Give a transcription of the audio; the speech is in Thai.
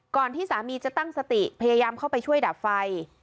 ที่สามีจะตั้งสติพยายามเข้าไปช่วยดับไฟ